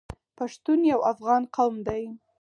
پښتون یو افغان قوم دی.